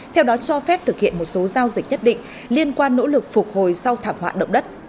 theo đó cho phép thực hiện một số giao dịch nhất định liên quan nỗ lực phục hồi sau thảm họa động đất